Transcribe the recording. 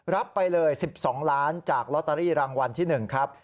รับไปเลย๑๒ล้านจากลอตเตอรี่รางวัลที่๑ครับ